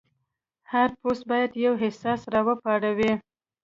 هر پوسټ باید یو احساس راوپاروي.